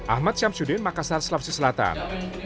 ahmad syamsuddin makassar sulawesi selatan